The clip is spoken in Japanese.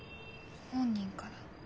本人から？